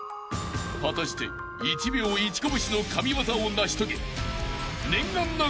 ［果たして１秒１こぶしの神業を成し遂げ念願の］